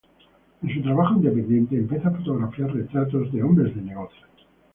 En su trabajo independiente empieza a fotografiar retratos de hombres de negocios.